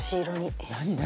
「何？